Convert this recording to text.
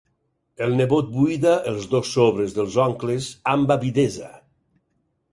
El nebot buida els dos sobres dels oncles amb avidesa.